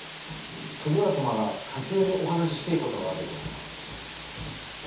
徳川様が火急にお話ししてえことがあると。